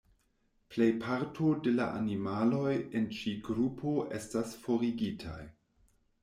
Plejparto da la animaloj en ĉi grupo estas forigitaj.